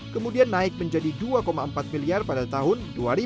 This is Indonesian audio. kemudian naik menjadi dua empat miliar pada tahun dua ribu dua puluh